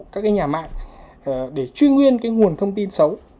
các cái nhà mạng để truy nguyên cái nguồn thông tin xấu